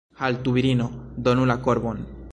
Haltu, virino, donu la korbon!